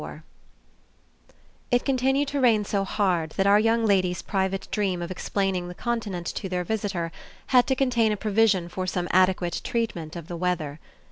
XXIV It continued to rain so hard that our young lady's private dream of explaining the Continent to their visitor had to contain a provision for some adequate treatment of the weather.